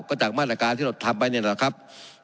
ก็จากมาตรการณ์ที่เราทำไปนะครับ